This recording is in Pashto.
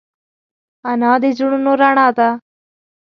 انا د زړونو رڼا ده